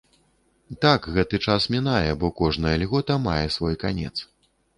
Так, гэты час мінае, бо кожная льгота мае свой канец.